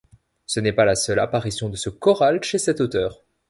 Ce n'est pas la seule apparition de ce choral chez cet auteur.